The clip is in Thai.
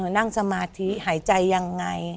นั่งสมาธิหายใจยังไง